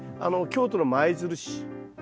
京都の舞鶴市。